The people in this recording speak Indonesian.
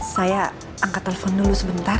saya angkat telepon dulu sebentar